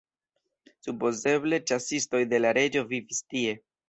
Supozeble ĉasistoj de la reĝo vivis tie.